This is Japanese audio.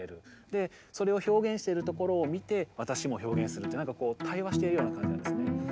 でそれを表現してるところを見て私も表現するってなんかこう対話してるような感じなんですね。